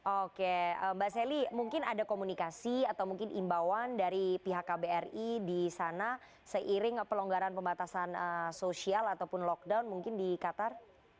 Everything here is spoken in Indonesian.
oke mbak sally mungkin ada komunikasi atau mungkin imbauan dari pihak kbri di sana seiring pelonggaran pembatasan sosial ataupun lockdown mungkin di qatar